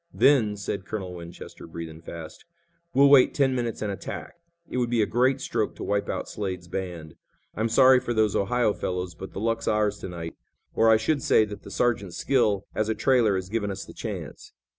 "Then," said Colonel Winchester, breathing fast, "we'll wait ten minutes and attack. It would be a great stroke to wipe out Slade's band. I'm sorry for those Ohio fellows, but the luck's ours to night, or I should say that the sergeant's skill as a trailer has given us the chance."